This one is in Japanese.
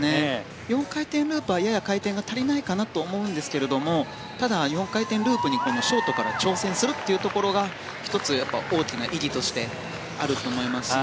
４回転ループはやや回転が足りないかなと思うんですけれどもただ４回転ループにショートから挑戦するところが１つ大きな意義としてあると思います。